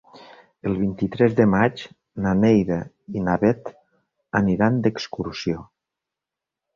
El vint-i-tres de maig na Neida i na Bet aniran d'excursió.